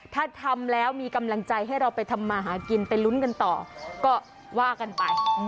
ถ้าทำแล้วมีกำลังใจให้เราไปทำมาหากินไปลุ้นกันต่อก็ว่ากันไป